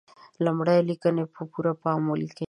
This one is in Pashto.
لمړی: لیکنې په پوره پام ولیکئ.